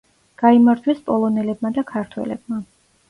გაიმარჯვეს პოლონელებმა და ქართველებმა.